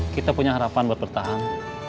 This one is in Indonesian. kita punya harapan buat bertahan